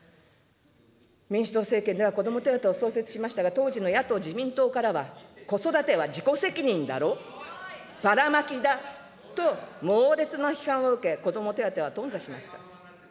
民主党政権では子ども手当を創設しましたが、当時の野党・自民党からは子育ては自己責任だろ、バラマキだと猛烈な批判を受け、子ども手当は頓挫しました。